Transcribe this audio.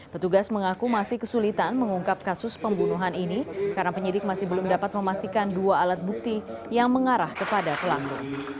petugas mengaku masih kesulitan mengungkap kasus pembunuhan ini karena penyidik masih belum dapat memastikan dua alat bukti yang mengarah kepada pelaku